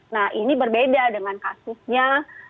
nah ini berbeda dengan kasusnya